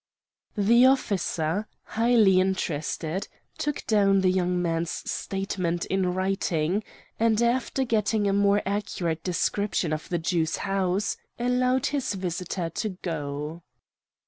"The officer, highly interested, took down the young man's statement in writing, and, after getting a more accurate description of the Jew's house, allowed his visitor to go.